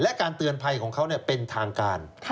และการเตือนภัยของเขาเป็นทางการ